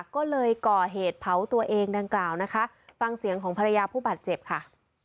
ก็เลยก่อเหตุเผาตัวเองดังกล่าวนะคะฟังเสียงของภรรยาผู้บาดเจ็บค่ะ